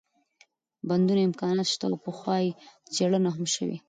بندونو امكانات شته او پخوا يې څېړنه هم شوې